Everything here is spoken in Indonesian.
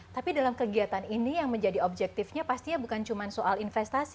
tapi dalam kegiatan ini yang menjadi objektifnya pastinya bukan cuma soal investasi